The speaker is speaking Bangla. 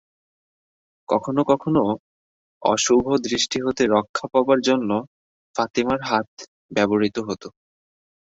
কখনও কখনও অশুভ দৃষ্টি হতে রক্ষা পাবার জন্য ফাতিমার হাত ব্যবহৃত হতো।